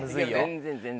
全然全然。